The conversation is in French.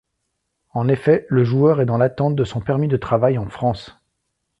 En effet, le joueur est dans l'attente de son permis de travail en France.